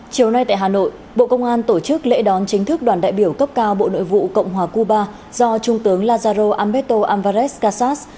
chiều nay tại hà nội bộ công an tổ chức lễ đón chính thức đoàn đại biểu cấp cao bộ nội vụ cộng hòa cuba do trung tướng lazaro amberto alvarez kassas